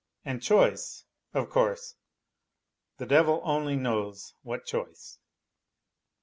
And choice, of course, the devil only knows what choice.